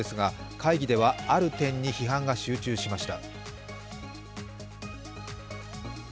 会議ではある点に批判が集中しました。